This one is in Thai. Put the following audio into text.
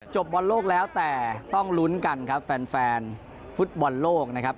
บอลโลกแล้วแต่ต้องลุ้นกันครับแฟนฟุตบอลโลกนะครับ